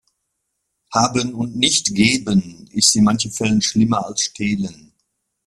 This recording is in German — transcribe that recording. Haben und nicht geben ist in manchen Fällen schlimmer als stehlen.